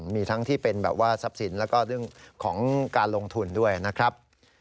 มีทั้งที่เป็นแบบว่าทรัพย์สินแล้วก็เรื่องของการลงทุนด้วยนะครับ